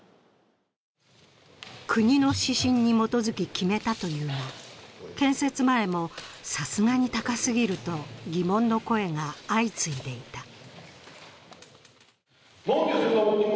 国の指針に基づき決めたというが、建設前も、さすがに高すぎると疑問の声が相次いでいた。